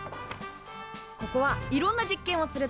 ここはいろんな実験をするとこ。